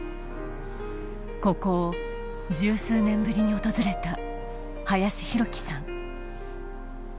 ここを十数年ぶりに訪れた林浩輝さん